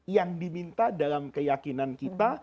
yang diminta dalam keyakinan kita